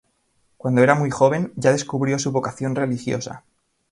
Cuando era muy joven, ya descubrió su vocación religiosa.